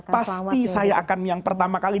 pasti saya akan yang pertama kali